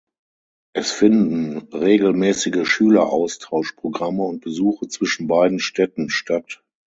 Es finden regelmäßige Schüleraustausch-Programme und Besuche zwischen beiden Städten statt.